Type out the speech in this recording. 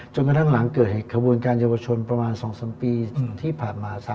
กระทั่งหลังเกิดเหตุขบวนการเยาวชนประมาณ๒๓ปีที่ผ่านมา